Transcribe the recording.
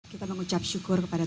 kita mengucap syukur kepada